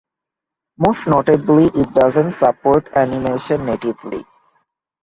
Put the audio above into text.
Most notably, it does not support animation natively.